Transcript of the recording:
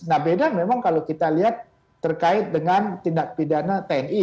nah beda memang kalau kita lihat terkait dengan tindak pidana tni